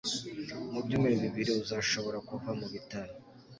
Mu byumweru bibiri uzashobora kuva mubitaro